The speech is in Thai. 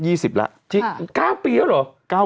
จริง๙ปีแล้วเหรอ๙ปีแล้ว